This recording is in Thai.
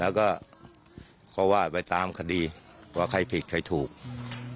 แล้วก็ก็ว่าไปตามคดีว่าใครผิดใครถูกอืม